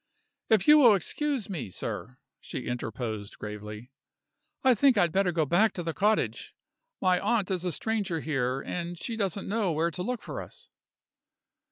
"If you will excuse me, sir," she interposed gravely, "I think I had better go back to the cottage. My aunt is a stranger here, and she doesn't know where to look for us."